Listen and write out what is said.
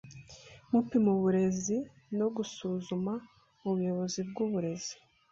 gupima uburezi no gusuzuma ubuyobozi bwuburezi